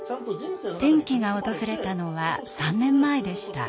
転機が訪れたのは３年前でした。